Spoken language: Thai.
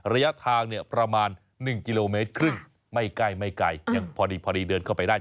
ระยะทางเนี่ยประมาณ๑กิโลเมตรครึ่งไม่ใกล้ไม่ไกลยังพอดีเดินเข้าไปได้